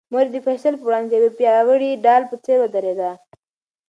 مور یې د فیصل په وړاندې د یوې پیاوړې ډال په څېر ودرېده.